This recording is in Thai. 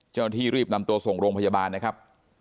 เจ้าหน้าที่รีบนำตัวส่งโรงพยาบาลนะครับ